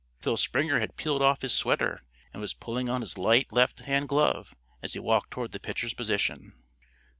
Phil Springer had peeled off his sweater and was pulling on his light left hand glove as he walked toward the pitcher's position.